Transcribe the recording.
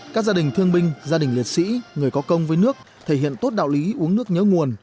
các gia đình thương binh gia đình liệt sĩ người có công với nước thể hiện tốt đạo lý uống nước nhớ nguồn